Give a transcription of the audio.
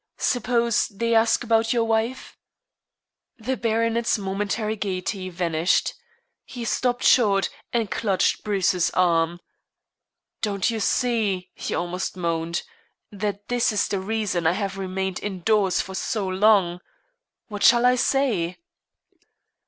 Suppose they ask about your wife?" The baronet's momentary gaiety vanished. He stopped short, and clutched Bruce's arm. "Don't you see," he almost moaned, "that this is the reason I have remained indoors for so long? What shall I say?"